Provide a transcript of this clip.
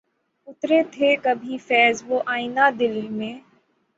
اترے تھے کبھی فیضؔ وہ آئینۂ دل میں